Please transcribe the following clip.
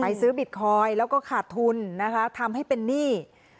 ซื้อบิตคอยน์แล้วก็ขาดทุนนะคะทำให้เป็นหนี้